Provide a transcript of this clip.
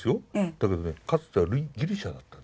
だけどねかつてはギリシャだったんです。